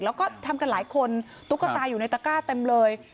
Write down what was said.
แล้วก็ทำกันหลายคนตุ๊กตาอยู่ในตะก้าเต็มเลย